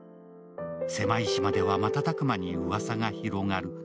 狭い島では瞬く間にうわさが広がる。